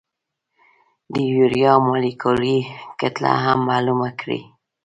د یوریا مالیکولي کتله هم معلومه کړئ.